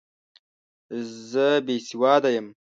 زه بې سواده یم!